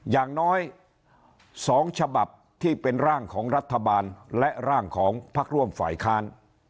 อย่างน้อย๒ฉบับที่เป็นร่างของรัฐบาลและร่างของพักร่วมฝ่ายค้าน